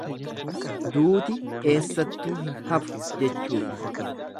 Duuti eessattuu hin hafu jechuudha.